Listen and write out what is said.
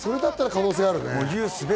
それだったら可能性はあるね。